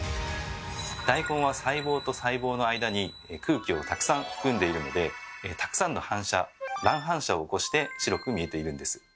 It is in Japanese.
大根は細胞と細胞の間に空気をたくさん含んでいるのでたくさんの反射乱反射を起こして白く見えているんです。